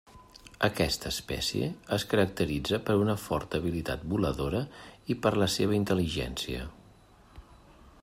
Aquesta espècie es caracteritza per una forta habilitat voladora i per la seva intel·ligència.